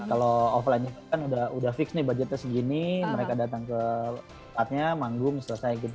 kalau offline event kan udah fix nih budgetnya segini mereka datang ke saatnya manggung selesai gitu